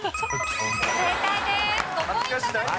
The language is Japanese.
正解です。